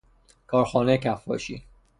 کارخانه کفاشی